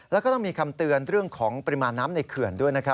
แล้วก็ต้องมีคำเตือนเรื่องของปริมาณน้ำในเขื่อนด้วยนะครับ